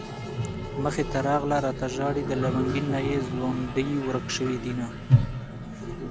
مخې ته راغله راته ژاړي د لونګين نه يې ځونډي ورک شوي دينه